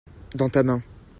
dans ta main.